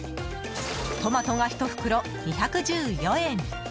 トマトが１袋２１４円。